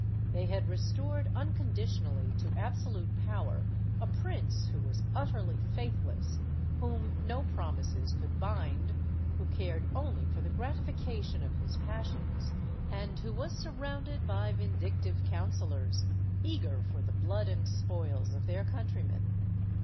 They had restored uncon ditionally to absolute power a prince who was utterly faithless, whom no promises could bind, who cared only for the gratification of his passions, and who was surrounded by vindictive counsellors, eager for the blood and spoils of their countrymen.